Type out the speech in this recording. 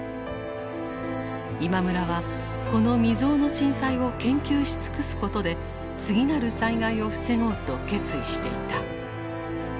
今村はこの未曽有の震災を研究し尽くすことで次なる災害を防ごうと決意していた。